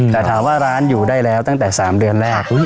แต่ถามว่าร้านอยู่ได้แล้วตั้งแต่๓เดือนแรก